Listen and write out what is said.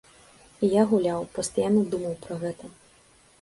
І я гуляў, пастаянна думаў пра гэта.